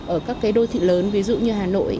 ở các cái đô thị lớn ví dụ như hà nội